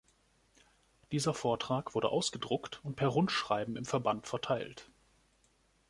Dieser Vortrag wurde ausgedruckt und per Rundschreiben im Verband verteilt.